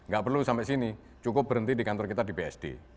gak perlu sampai sini cukup berhenti di kantor kita di bsd